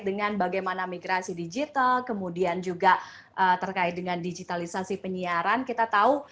dengan bagaimana migrasi digital kemudian juga terkait dengan digitalisasi penyiaran kita tahu